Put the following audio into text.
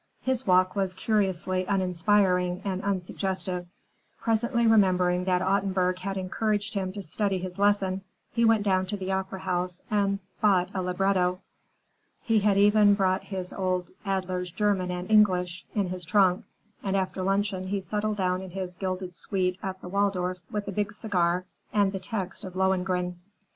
His walk was curiously uninspiring and unsuggestive. Presently remembering that Ottenburg had encouraged him to study his lesson, he went down to the opera house and bought a libretto. He had even brought his old "Adler's German and English" in his trunk, and after luncheon he settled down in his gilded suite at the Waldorf with a big cigar and the text of "Lohengrin."